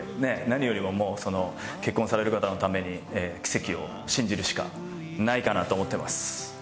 何よりももうその結婚される方のために奇跡を信じるしかないかなと思ってます。